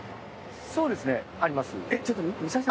そうですね、あります。